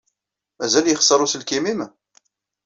Mazal yexṣer uselkim-nnem?